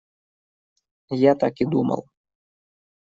Я так и думал!